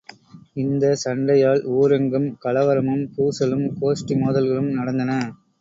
இந்த சண்டையால் ஊரெங்கும் கலவரமும், பூசலும், கோஷ்டி மோதல்களும் நடந்தன.